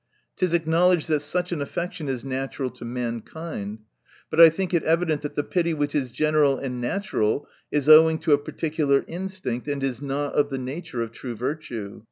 It is acknowledged, that such an affec tion is natural to mankind. But I think it evident, that the pity which is general and natural, is owing to a particular instinct, and is not of the nature of true virtue.